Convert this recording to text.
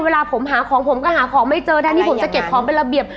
เวลาผมหาของผมก็หาของไม่เจอแทนที่ผมจะเก็บของเป็นระเบียบ